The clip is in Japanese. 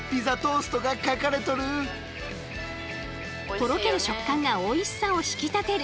とろける食感がおいしさを引き立てる。